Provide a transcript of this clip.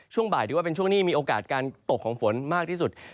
ช่วงบ่ายเป็นช่วงนี้มีโอกาสตกฝนมากที่สุด